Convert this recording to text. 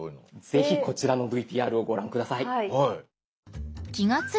ぜひこちらのＶＴＲをご覧下さい。